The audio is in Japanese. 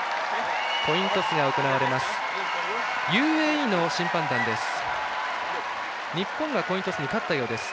コイントスが行われます。